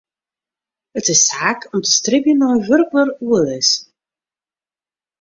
It is saak om te stribjen nei in wurkber oerlis.